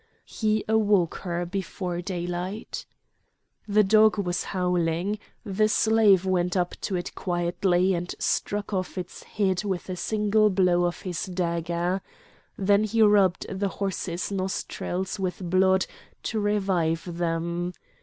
He awoke her before daylight. The dog was howling. The slave went up to it quietly, and struck off its head with a single blow of his dagger. Then he rubbed the horses' nostrils with blood to revive them.